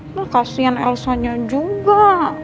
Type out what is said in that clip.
dia mau sendirian elsa nya juga